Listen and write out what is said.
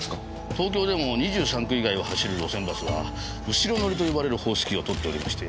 東京でも２３区以外を走る路線バスは後ろ乗りと呼ばれる方式を取っておりまして。